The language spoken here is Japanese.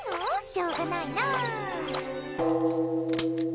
しょうがないな